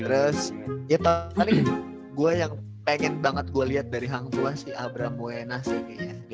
terus ya tau kali gua yang pengen banget gua liat dari hang tua sih abram wena sih kayaknya